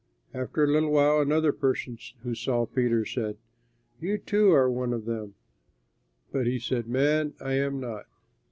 After a little while another person who saw Peter said, "You too are one of them"; but he said, "Man, I am not."